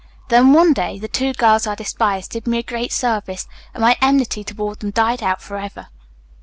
Then, one day, the two girls I despised did me a great service, and my enmity toward them died out forever.